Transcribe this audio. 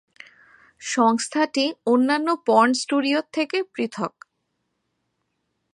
সংস্থাটি অন্যান্য পর্নো স্টুডিওর থেকে পৃথক।